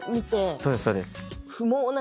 そうですそうです。